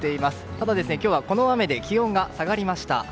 ただ今日はこの雨で気温が下がりました。